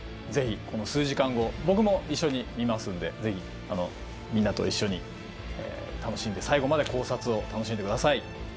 ぜひこの数時間後僕も一緒に見ますんでぜひみんなと一緒に楽しんで最後まで考察を楽しんでください。